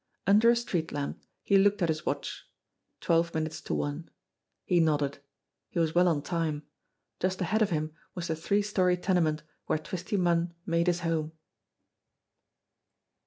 Under a street lamp he looked at his watch. Twelve min utes to one. He nodded. He was well on time. Just ahead of him was the three story tenement where Twisty Munn made his home.